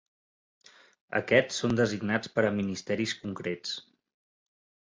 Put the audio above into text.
Aquests són designats per a ministeris concrets.